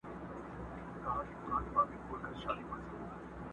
ورځ به له سره نیسو تېر به تاریخونه سوځو.!